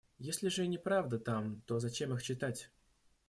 Если же неправда там, то зачем их читать?